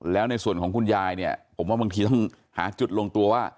แล้วในส่วนของคุณยายเนี่ยผมว่าบางทีต้องหาจุดลงตัวว่า